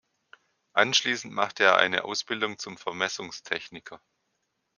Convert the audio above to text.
Anschließend machte er eine Ausbildung zum Vermessungstechniker.